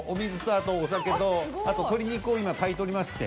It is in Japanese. あとお酒とあと鶏肉を今炊いておりまして。